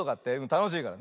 たのしいから。